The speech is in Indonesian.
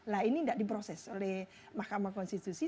nah ini tidak diproses oleh mahkamah konstitusi